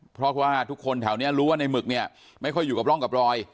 เพราะว่าทุกคนแถวนี้รู้ว่าในหมึกเนี่ยไม่ค่อยอยู่กับร่องกับรอย